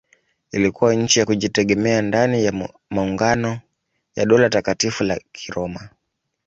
Ilikuwa nchi ya kujitegemea ndani ya maungano ya Dola Takatifu la Kiroma.